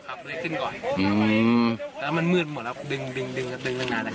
ขับเลยขึ้นก่อนอืมแล้วมันมืดหมดแล้วดึงดึงดึงดึงตั้งนานนะครับ